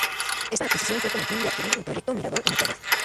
Esta adquisición fue con el fin de adquirir el Proyecto Mirador en Ecuador.